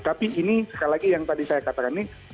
tapi ini sekali lagi yang tadi saya katakan ini